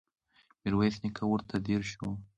ميرويس نيکه ورته ځير شو.